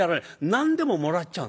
何でももらっちゃうんですよ。